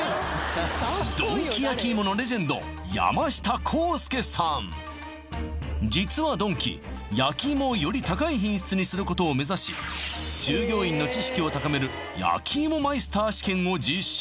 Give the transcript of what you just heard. ドンキ焼き芋のレジェンド実はドンキ焼き芋をより高い品質にすることを目指し従業員の知識を高めるを実施